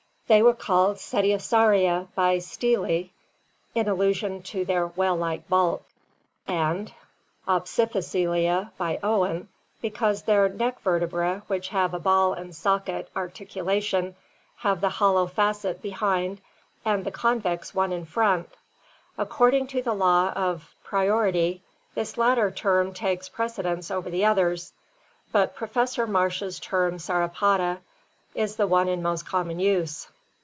They were called Cetiosauria by Seeley in allusion to their whale like bulk, and Opisthocoelia by Owen because their neck vertebrae, which have a ball and socket articulation, have the hollow facet behind and the convex one in front. According to the law of prior ity this latter term takes precedence over the others, but Professor Marsh's term Sauropoda is the one in most common use.